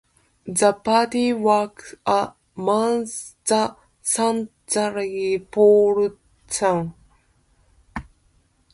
The party worked amongst the Santhal populations.